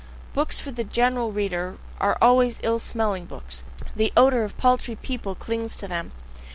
Books for the general reader are always ill smelling books, the odour of paltry people clings to them.